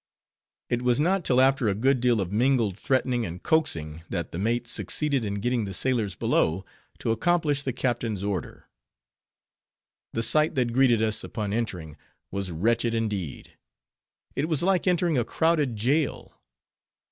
It was not till after a good deal of mingled threatening and coaxing, that the mate succeeded in getting the sailors below, to accomplish the captain's order. The sight that greeted us, upon entering, was wretched indeed. It was like entering a crowded jail.